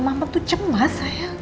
mama tuh cemas sayang